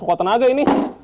kekuatan aja ini